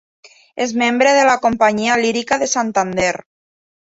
És membre de la Companyia Lírica de Santander.